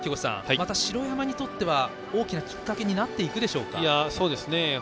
また城山にとっては大きなきっかけになっていくでしょうか？